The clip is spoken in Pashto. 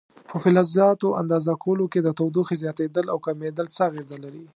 په فلزاتو اندازه کولو کې د تودوخې زیاتېدل او کمېدل څه اغېزه لري؟